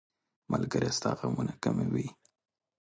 ملګری ستا غمونه کموي.